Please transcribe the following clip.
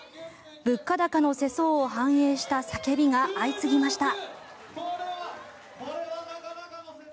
物価高の世相を反映した叫びが相次ぎました。